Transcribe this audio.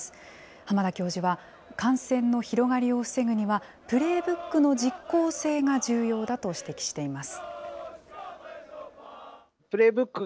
濱田教授は、感染の広がりを防ぐには、プレーブックの実効性が重要だと指摘しています。